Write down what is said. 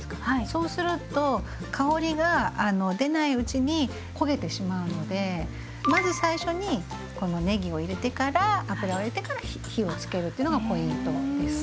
そうすると香りが出ないうちに焦げてしまうのでまず最初にこのねぎを入れてから油を入れてから火をつけるっていうのがポイントです。